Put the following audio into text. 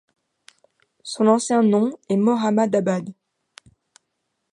Son ancien nom est Moḩammadābād.